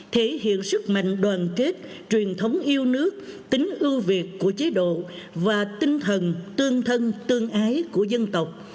thể hiện sức mạnh đoàn kết truyền thống yêu nước tính ưu việt của chế độ và tinh thần tương thân tương ái của dân tộc